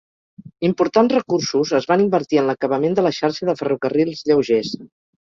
Importants recursos es van invertir en l'acabament de la xarxa de ferrocarrils lleugers.